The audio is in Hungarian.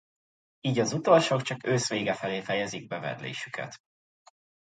Így az utolsók csak ősz vége felé fejezik be vedlésüket.